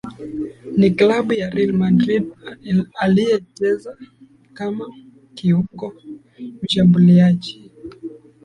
Na klabu ya Real Madrid aliyecheza kama kiungo mshambuliaji